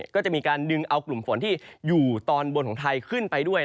ก็จะมีการดึงเอากลุ่มฝนที่อยู่ตอนบนของไทยขึ้นไปด้วย